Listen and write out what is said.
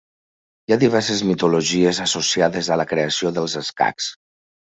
Hi ha diverses mitologies associades a la creació dels escacs.